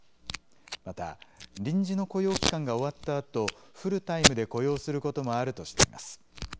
また臨時の雇用期間が終わったあと、フルタイムで雇用することもあるとしています。